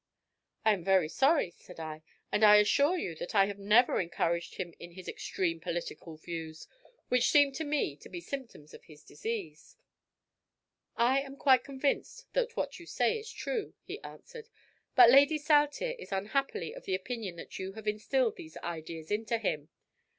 "I am very sorry," said I, "and I assure you that I have never encouraged him in his extreme political views, which seem to me to be symptoms of his disease." "I am quite convinced that what you say is true," he answered; "but Lady Saltire is unhappily of the opinion that you have instilled these ideas into him.